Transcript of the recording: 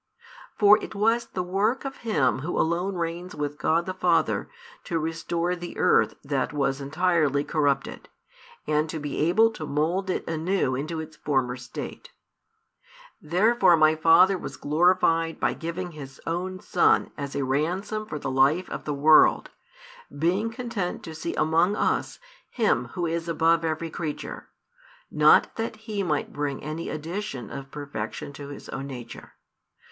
For it was the work of Him Who alone reigns with God the Father to restore the earth that was entirely corrupted, and to be able to mould it anew into its former state. Therefore My Father was glorified by giving His Own Son as a ransom for the life of the world, being content to see among us Him Who is above every creature, not that He might bring any addition of perfection to His Own Nature.